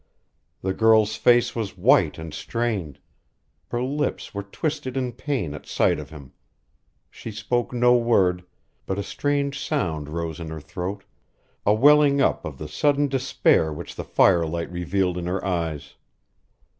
The girl's face was white and strained. Her lips were twisted in pain at sight of him. She spoke no word, but a strange sound rose in her throat, a welling up of the sudden despair which the fire light revealed in her eyes.